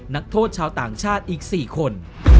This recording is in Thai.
นักโทษชาวต่างชาติอีก๔คน